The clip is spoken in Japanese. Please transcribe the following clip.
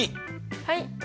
はい。